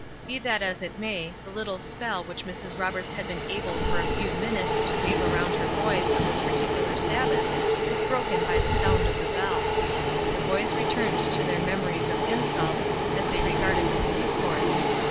Be that as it may, the little spell which Mrs. Roberts had been able for a few minutes to weave around her boys on this particular Sabbath, was broken by the sound of the bell. The boys returned to their memories of insult, as they regarded the police force.